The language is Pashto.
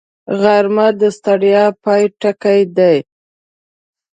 غرمه د ستړیا پای ټکی دی